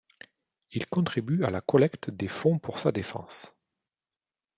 Il contribue à la collecte des fonds pour sa défense.